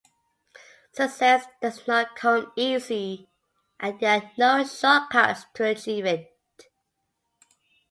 Success does not come easy, and there are no shortcuts to achieving it.